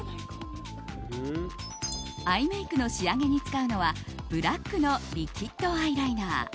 アイメイクの仕上げに使うのはブラックのリキッドアイライナー。